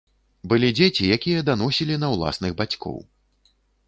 Былі дзеці, якія даносілі на ўласных бацькоў.